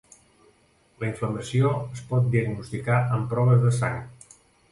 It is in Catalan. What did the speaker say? La inflamació es pot diagnosticar amb proves de sang.